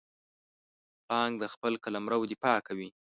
پړانګ د خپل قلمرو دفاع کوي.